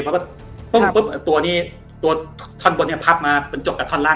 เพราะว่าปุ๊บตัวนี้ตัวท่อนบนเนี่ยพักมาเป็นจบกับท่อนล่าง